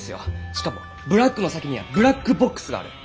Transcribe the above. しかもブラックの先にはブラックボックスがある。